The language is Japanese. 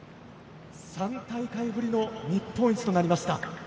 ３大会ぶりの日本一となりました。